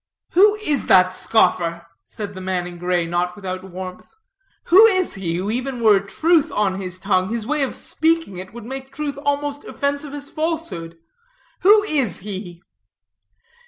"Who is that scoffer," said the man in gray, not without warmth. "Who is he, who even were truth on his tongue, his way of speaking it would make truth almost offensive as falsehood. Who is he?"